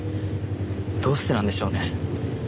どうしてなんでしょうね。